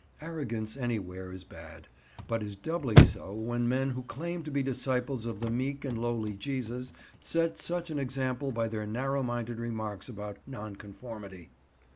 Arrogance anywhere is bad, but is doubly so when men who claim to be disciples of the meek and lowly Jesus set such an example by their narrow minded remarks about Nonconformity.